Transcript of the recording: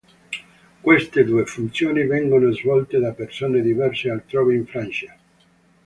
Queste due funzioni vengono svolte da persone diverse altrove in Francia.